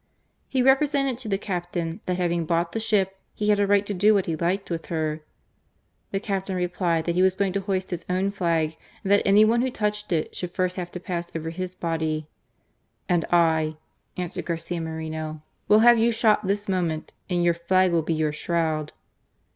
He represented to the captain that having bought the ship he had a right to do what he liked, with her. The captain replied that he was going to hoist his own flag, and that any one who touched it would first have, to pass over his body. "And I," answered Garcia Moreno, " will have you shot this moment, and your flag will be your shroud."